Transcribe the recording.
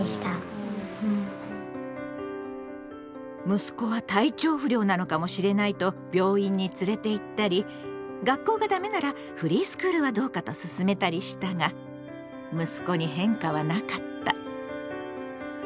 息子は体調不良なのかもしれないと病院に連れて行ったり学校がダメならフリースクールはどうかとすすめたりしたが息子に変化はなかった。